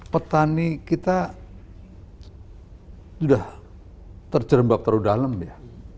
petani kita sudah terjerembab terdalam ya